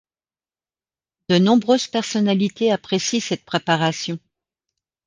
De nombreuses personnalités apprécient cette préparation.